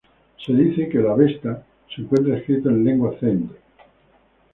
Se dice que el "Avesta" se encuentra escrito en Lengua Zend.